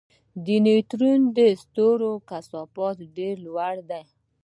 د نیوټرون ستوري کثافت ډېر لوړ دی.